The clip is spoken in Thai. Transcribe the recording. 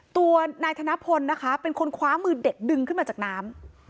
ตัวนายธนพลนะคะเป็นคนคว้ามือเด็กดึงขึ้นมาจากน้ำ